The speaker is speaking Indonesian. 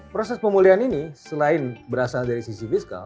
proses pemulihan ini selain berasal dari sisi fiskal